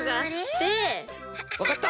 わかった？